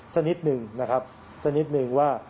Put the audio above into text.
สักนิดหนึ่งนะครับสักนิดนึงว่า